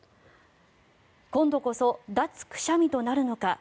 今度こそ脱くしゃみとなるのか。